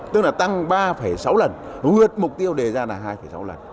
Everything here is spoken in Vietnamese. tức là tăng ba sáu lần vượt mục tiêu đề ra là hai sáu lần